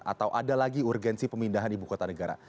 atau ada lagi urgensi pemindahan ibu kota negara